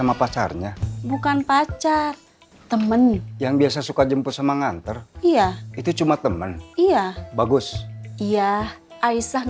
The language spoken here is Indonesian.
aku gak yakin dia bisa jaga aisyah